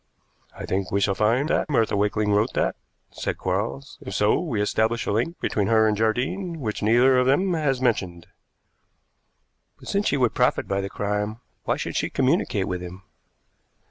"I think we shall find that Martha Wakeling wrote that," said Quarles. "If so, we establish a link between her and Jardine which neither of them has mentioned." "But since she would profit by the crime, why should she communicate with him?"